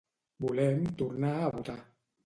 Volem tornar a votar.